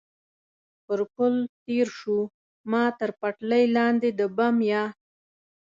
پر پل تېر شو، ما تر پټلۍ لاندې د بم یا.